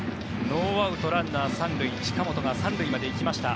ノーアウト、ランナー３塁近本が３塁まで行きました。